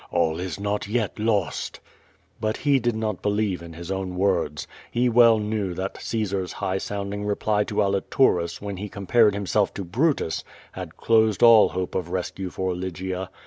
All is not yet lost." But he did not believe in his own words. He well knew that Caesar's high sounding reply to Aliturus when he com pared himself to Brutus had closed all hope of rescue for Ly gia.